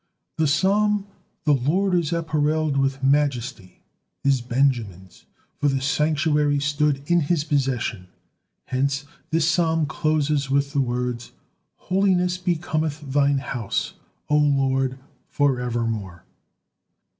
The psalm: "The Lord is apparelled with majesty," is Benjamin's, for the sanctuary stood in his possession, hence this psalm closes with the words, "Holiness becometh Thine house, O Lord, forevermore."